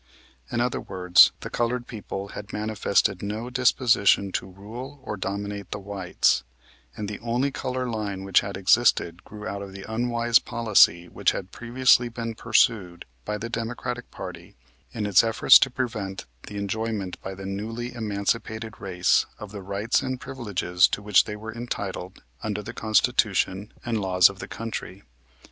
In other words, the colored people had manifested no disposition to rule or dominate the whites, and the only color line which had existed grew out of the unwise policy which had previously been pursued by the Democratic party in its efforts to prevent the enjoyment by the newly emancipated race of the rights and privileges to which they were entitled under the Constitution and laws of the country.